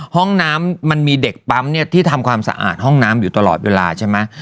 ห้องน้ำมันมีเด็กปั๊มเนี่ยที่ทำความสะอาดห้องน้ำอยู่ตลอดเวลาใช่ไหม